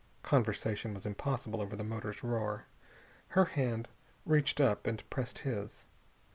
Conversation was impossible over the motor's roar. Her hand reached up and pressed his.